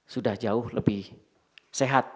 sudah jauh lebih sehat